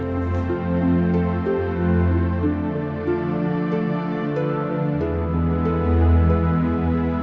udah sana masuk kamar cek